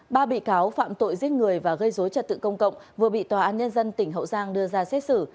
ba bị cáo phạm tội giết người và gây dối trật tự công cộng vừa bị tòa án nhân dân tỉnh hậu giang đưa ra xét xử